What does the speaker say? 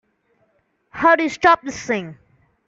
How do you stop this thing?